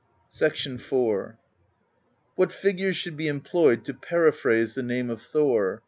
IV. ^^ What figures should be employed to periphrase the name of Thor?